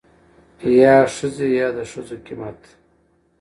يا ښځې يا دښځو قيمت.